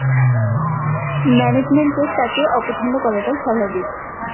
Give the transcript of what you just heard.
ম্যানেজমেন্টের তাকে অপছন্দ করাটাই স্বাভাবিক।